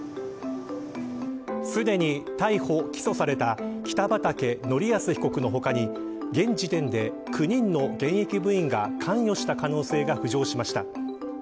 すでに逮捕、起訴された北畠成文被告の他に、現時点で９人の現役部員が関与した疑いが浮上しました。